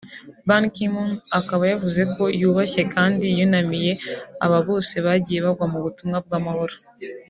Ban Ki-moon akaba yavuze ko yubashye kandi yunamiye aba bose bagiye bagwa mu butumwa bw’amahoro